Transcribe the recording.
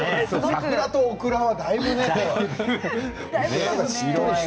桜とオクラはだいぶね。